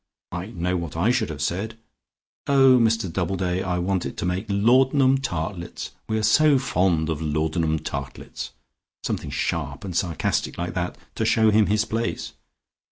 I know what I should have said: 'Oh, Mr Doubleday, I want it to make laudanum tartlets, we are all so fond of laudanum tartlets.' Something sharp and sarcastic like that, to show him his place.